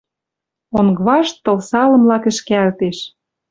Онг вашт тылсалымла кӹшкӓлтеш.